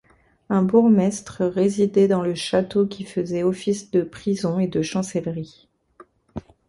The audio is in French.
Un bourgmestre résidait dans le château qui faisait office de prison et de chancellerie.